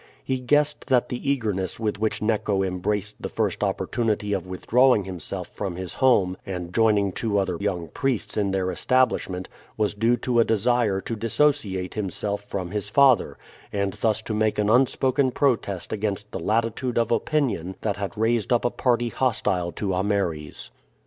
He guessed that the eagerness with which Neco embraced the first opportunity of withdrawing himself from his home and joining two other young priests in their establishment was due to a desire to disassociate himself from his father, and thus to make an unspoken protest against the latitude of opinion that had raised up a party hostile to Ameres.